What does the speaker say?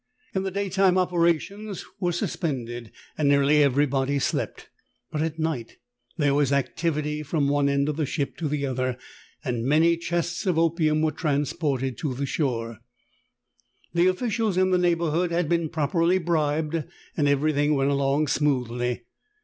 In the daytime opera tions were suspended, and nearly everybody slept ; but at night there was activity from one end of the ship to the other, and many chests of opium were transported to the shore. The officials in the neighborhood had been properly bribed, and everything went along smoothly.